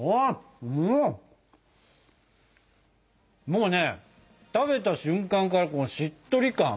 もうね食べた瞬間からこのしっとり感？